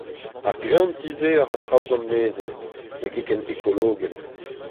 Ar greanti-se a ra traoù gant mezell, n’eo ket ken ekologel.